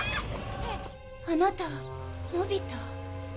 あなた、のび太？